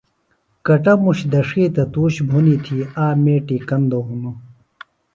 کٹموش دڇھی تہ تُوش بُھنی تھی آک مِیٹیۡ کندوۡ ہنوۡ